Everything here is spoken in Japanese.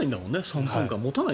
３分間持たない。